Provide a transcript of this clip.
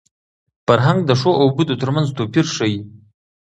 فرهنګ د ښو او بدو تر منځ توپیر ښيي.